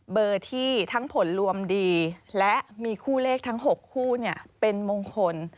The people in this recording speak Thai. เบอร์ที่ทั้งผลรวมดีและมีคู่เลขทั้ง๖คู่เป็นมงคล